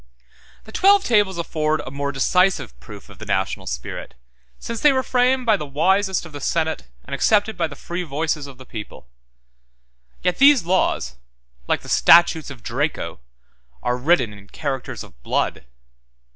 The twelve tables afford a more decisive proof of the national spirit, since they were framed by the wisest of the senate, and accepted by the free voices of the people; yet these laws, like the statutes of Draco, 172 are written in characters of blood.